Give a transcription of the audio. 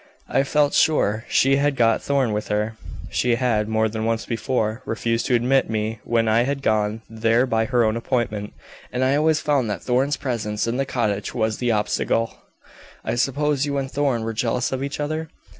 I felt sure she had got Thorn with her. She had, more than once before, refused to admit me when I had gone there by her own appointment, and I always found that Thorn's presence in the cottage was the obstacle." "I suppose you and Thorn were jealous of each other?"